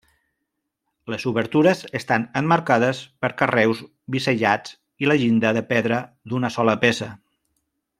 Les obertures estan emmarcades per carreus bisellats i la llinda de pedra d'una sola peça.